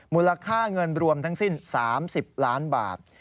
มูลค่าเงินรวมทั้งสิ้น๓๐ล้านบาท